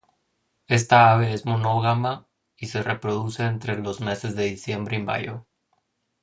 Esta ave es monógama, y se reproduce entre los meses de diciembre y mayo.